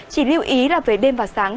chỉ lưu ý là về đêm và sáng